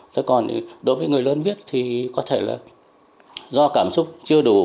thế còn đối với người lớn viết thì có thể là do cảm xúc chưa đủ